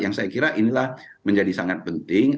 yang saya kira inilah menjadi sangat penting